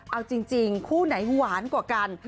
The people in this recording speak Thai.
เอาจริงคู่ไหนหวานกว่ากัน